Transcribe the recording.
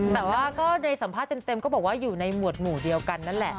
แต่ว่าก็ในสัมภาษณ์เต็มก็บอกว่าอยู่ในหมวดหมู่เดียวกันนั่นแหละ